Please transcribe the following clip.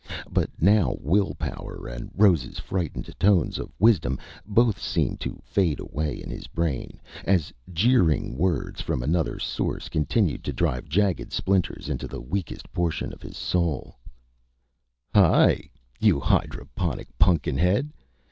But now will power and Rose's frightened tones of wisdom both seemed to fade away in his brain, as jeering words from another source continued to drive jagged splinters into the weakest portion of his soul: "Hi, you hydroponic pun'kin head!...